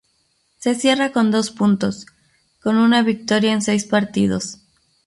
Se cierra con dos puntos, con una victoria en seis partidos.